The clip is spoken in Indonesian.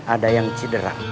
ada yang cedera